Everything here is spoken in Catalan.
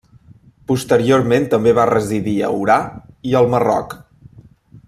Posteriorment també va residir a Orà i el Marroc.